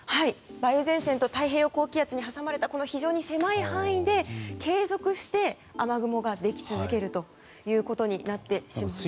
梅雨前線と太平洋高気圧に挟まれたこの非常に狭い範囲で継続して雨雲ができ続けてしまいます。